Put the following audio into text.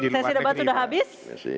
baik sesi debat sudah habis